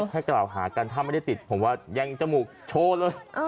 แค่กล่าวหากันถ้าไม่ได้ติดผมว่ายังจมูกโชว์เลย